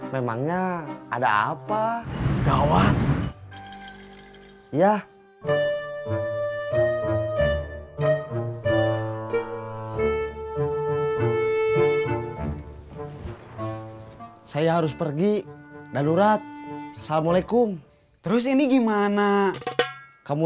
memangnya ada apa gawat ya saya harus pergi danurat assalamualaikum terus ini gimana kamu